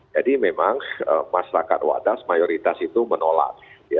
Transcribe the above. jadi memang masyarakat wadas mayoritas itu menolak